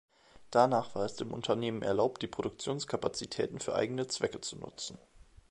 Danach war es den Unternehmen erlaubt, die Produktionskapazitäten für eigene Zwecke zu nutzen.